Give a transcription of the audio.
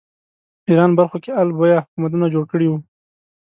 ایران برخو کې آل بویه حکومتونه جوړ کړي وو